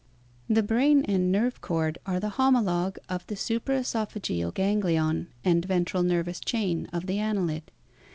The brain and nerve cord are the homologue of the supracesopha geal ganglion and ventral nervous chain of the annelid.